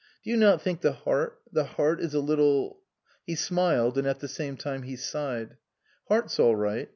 "Do you not think the heart the heart is a little ?" He smiled and at the same time he sighed. " Heart's all right.